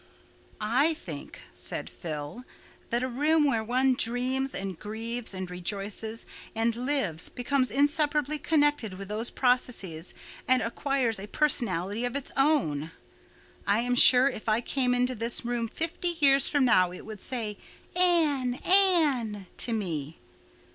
"I think," said Phil, "that a room where one dreams and grieves and rejoices and lives becomes inseparably connected with those processes and acquires a personality of its own. I am sure if I came into this room fifty years from now it would say 'Anne, Anne' to me.